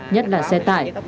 nhất là xe tải